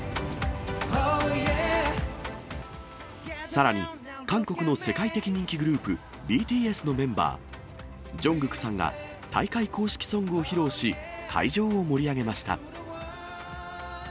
さらに、韓国の世界的人気グループ、ＢＴＳのメンバー、ジョングクさんが、大会公式ソングを披露し、会場を盛り上げました。